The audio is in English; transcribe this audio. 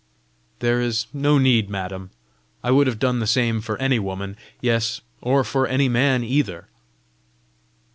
"There is no need, madam: I would have done the same for any woman yes, or for any man either!"